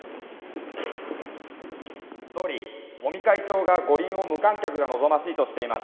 総理、尾身会長が五輪を無観客が望ましいとしています。